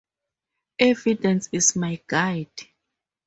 Evidence is my guide.